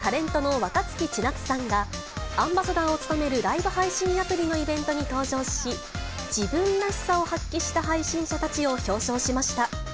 お笑いタレントのなかやまきんに君とタレントの若槻千夏さんがアンバサダーを務めるライブ配信アプリのイベントに登場し、自分らしさを発揮した配信者たちを表彰しました。